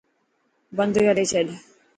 بند ڪري ڇڏ.